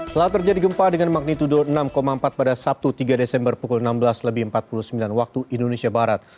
telah terjadi gempa dengan magnitudo enam empat pada sabtu tiga desember pukul enam belas empat puluh sembilan wib